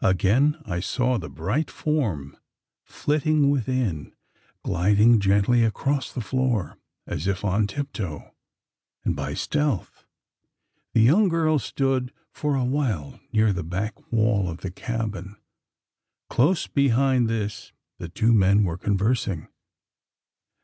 Again I saw the bright form flitting within. Gliding gently across the floor as if on tiptoe, and by stealth the young girl stood for a while near the back wall of the cabin. Close behind this, the two men were conversing.